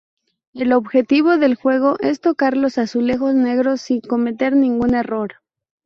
El objetivo del juego es tocar los azulejos negros sin cometer ningún error.